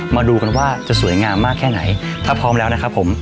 มาดูกันว่าจะสวยงามมากแค่ไหนถ้าพร้อมแล้วนะครับผม